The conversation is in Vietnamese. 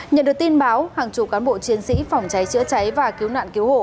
nhận được tin báo hàng chục cán bộ chiến sĩ phòng cháy chữa cháy và cứu nạn cứu hộ